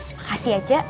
makasih ya ce